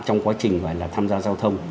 trong quá trình gọi là tham gia giao thông